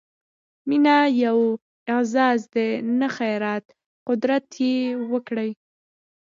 مینه یو اعزاز دی، نه خیرات؛ قدر یې وکړئ!